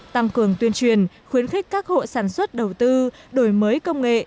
tăng cường tuyên truyền khuyến khích các hộ sản xuất đầu tư đổi mới công nghệ